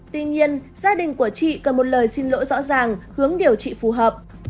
tuy nhiên gia đình của chị cần một lời xin lỗi rõ ràng hướng điều trị phù hợp